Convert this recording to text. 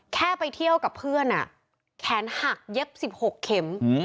แค่ไปเที่ยวกับเพื่อนแขนหักเย็บ๑๖เข็ม